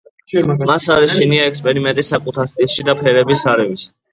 მას არ ეშინია ექსპერიმენტების საკუთარ სტილში და ფერების არევის.